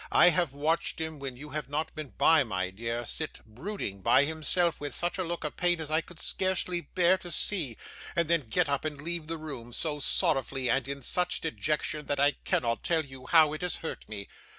I have watched him when you have not been by, my dear, sit brooding by himself, with such a look of pain as I could scarcely bear to see, and then get up and leave the room: so sorrowfully, and in such dejection, that I cannot tell you how it has hurt me.